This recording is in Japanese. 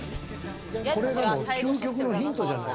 これでも究極のヒントじゃない？